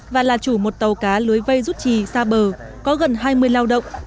và là chủ một tàu cá lưới vây rút trì xa bờ có gần hai mươi lao động